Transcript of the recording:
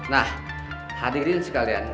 nah hadirin sekalian